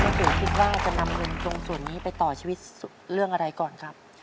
ปู่คิดว่าจะนำเงินตรงส่วนนี้ไปต่อชีวิตเรื่องอะไรก่อนครับ